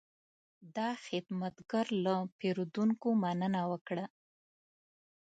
دا خدمتګر له پیرودونکو مننه وکړه.